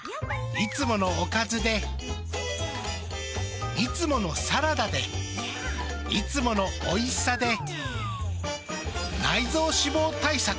いつものおかずでいつものサラダでいつものおいしさで内臓脂肪対策。